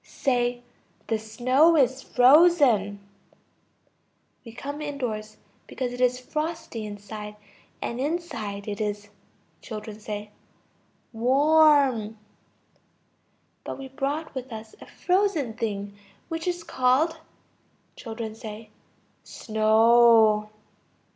Say: the snow is frozen. We came indoors, because it is frosty outside, and inside it is ... Children. Warm. But we brought with us a frozen thing which is called ... Children. Snow.